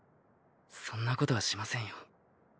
そんなことはしませんよ。